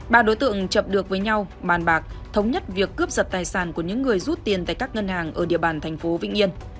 ba đối tượng chập được với nhau bàn bạc thống nhất việc cướp giật tài sản của những người rút tiền tại các ngân hàng ở địa bàn thành phố vĩnh yên